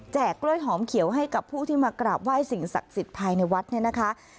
กล้วยหอมเขียวให้กับผู้ที่มากราบไหว้สิ่งศักดิ์สิทธิ์ภายในวัดเนี่ยนะคะ